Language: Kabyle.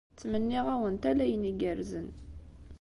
Ttmenniɣ-awent ala ayen igerrzen.